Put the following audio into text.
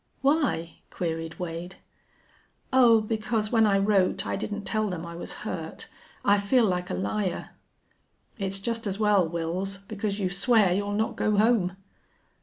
"Why?" queried Wade. "Oh, because when I wrote I didn't tell them I was hurt. I feel like a liar." "It's just as well, Wils, because you swear you'll not go home."